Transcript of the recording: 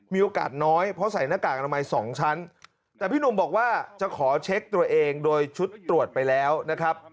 มีโอกาสน้อยเพราะใส่หน้ากากอนามัยสองชั้นแต่พี่หนุ่มบอกว่าจะขอเช็คตัวเองโดยชุดตรวจไปแล้วนะครับ